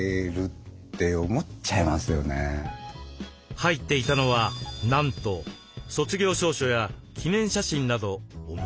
入っていたのはなんと卒業証書や記念写真など思い出の品ばかり。